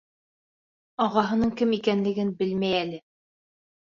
Ағаһының кем икәнлеген белмәй әле.